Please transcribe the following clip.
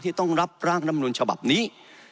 ที่ต้องรับร่างรำนวลฉบับนี้